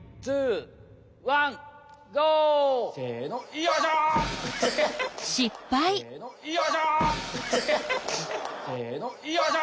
よいしょ！